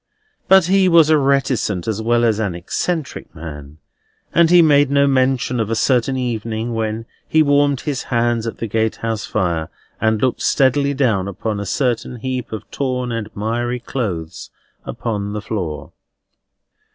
But he was a reticent as well as an eccentric man; and he made no mention of a certain evening when he warmed his hands at the gatehouse fire, and looked steadily down upon a certain heap of torn and miry clothes upon the floor.